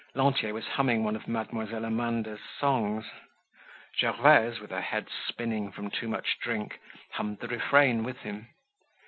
Lantier was humming one of Mademoiselle Amanda's songs. Gervaise, with her head spinning from too much drink, hummed the refrain with him.